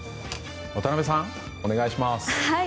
渡辺さん、お願いします。